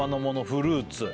フルーツ